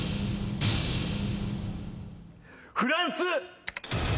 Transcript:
フランス。